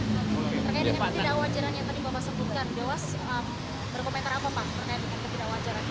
berkaitan dengan tidak wajarannya yang tadi bapak sebutkan dewas berkomentar apa pak